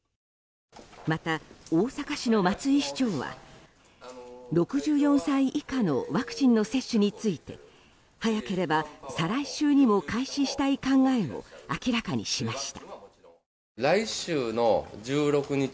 また大阪市の松井市長は６４歳以下のワクチンの接種について早ければ再来週にも開始したい考えを明らかにしました。